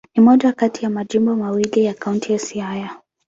Ni moja kati ya majimbo mawili ya Kaunti ya Siaya.